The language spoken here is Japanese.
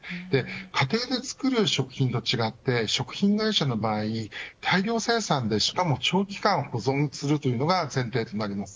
家庭で作る食品と違って食品会社の場合大量生産でしかも長期間保存するというのが前提となります。